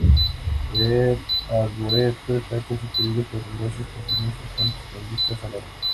El arboreto está constituido por numerosos jardines y fuentes con vistas al lago.